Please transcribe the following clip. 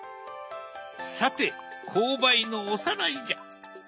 さて紅梅のおさらいじゃ。